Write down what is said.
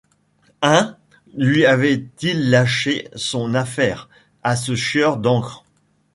Hein? lui avait-il lâché son affaire, à ce chieur d’encre!